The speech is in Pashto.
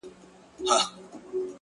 • وي به درې کلنه ماته ښکاري میاشتنۍ ,